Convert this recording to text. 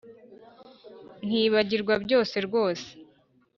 nkibagirwa byose rwose